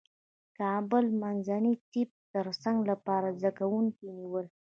کابل منځني طب د نرسنګ لپاره زدکوونکي نیول